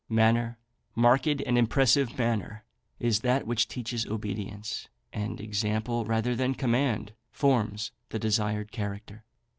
Manner marked and impressive manner is that which teaches obedience, and example rather than command forms the desired character.